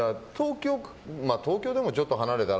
東京でもちょっと離れたら